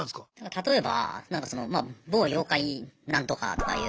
例えばなんかそのまあ「某妖怪何とか」とかいう。